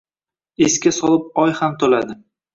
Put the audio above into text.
Esga solib oy ham to’ladi.